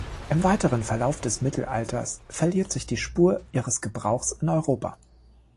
Im weiteren Verlauf des Mittelalters verliert sich die Spur ihres Gebrauchs in Europa.